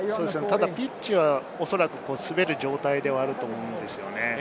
ピッチはおそらく滑る状態ではあると思うんですよね。